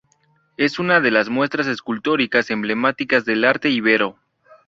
Es una de las muestras escultóricas emblemáticas del Arte íbero.